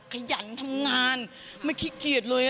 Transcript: ขยันทำงานไม่ขี้เกียจเลย